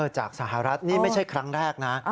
จากสหรัฐนี่ไม่ใช่ครั้งแรกนะ